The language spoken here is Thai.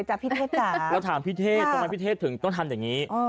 จากพิเทศกาละเราถามพิเทศตอนนั้นพิเทศถึงต้องทำอย่างงี้